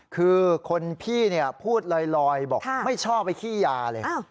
คือคนพี่พูดลอยบอกไม่ชอบไปขี้ยาเลย